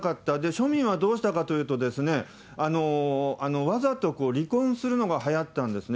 庶民はどうしたかというとですね、わざと離婚するのがはやったんですね。